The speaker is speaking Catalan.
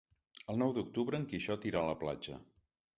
El nou d'octubre en Quixot irà a la platja.